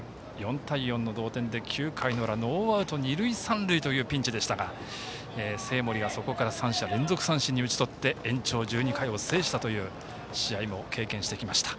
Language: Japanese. ４対４の同点で、９回の裏ノーアウト二塁三塁というピンチ生盛はそこから３者連続三振に打ち取って延長１２回を制したという試合も経験してきました。